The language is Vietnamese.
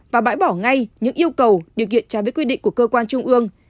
và bãi bỏ ngay những yêu cầu điều kiện trái với quy định của cơ quan trung ương